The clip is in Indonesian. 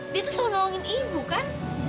dia tuh selalu nolongin ibu kan